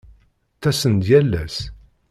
Ttasen-d yal ass.